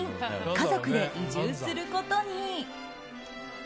家族で移住することに。